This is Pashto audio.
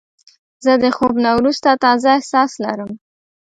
زه د خوب نه وروسته تازه احساس لرم.